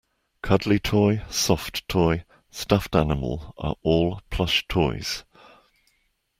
Cuddly toy, soft toy, stuffed animal are all plush toys